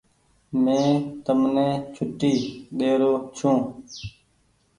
مين تمني ڇوٽي ڏيرو ڇو۔